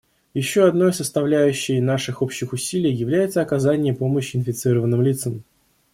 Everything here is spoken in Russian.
Еще одной составляющей наших общих усилий является оказание помощи инфицированным лицам.